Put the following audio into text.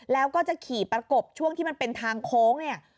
แล้วก็จะขี่ประกบช่วงที่มันเป็นทางโค้งเนี่ย